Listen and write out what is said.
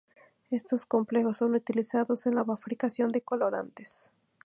Estos complejos son utilizados en la fabricación de colorantes.